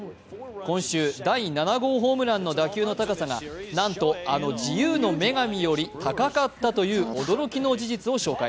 今週、第７号ホームランの打球の高さがなんと、あの自由の女神より高かったという驚きの事実を紹介。